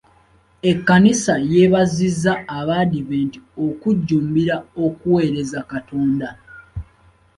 Ekkanisa yeebazizza Abaadiventi okujjumbira okuweereza Katonda.